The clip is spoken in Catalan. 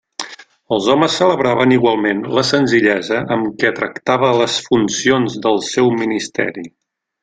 Els homes celebraven igualment la senzillesa amb què tractava les funcions del seu ministeri.